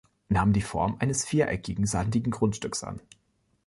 Nahm die Form eines viereckigen, sandigen Grundstücks an.